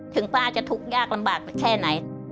ป้าจะทุกข์ยากลำบากไปแค่ไหน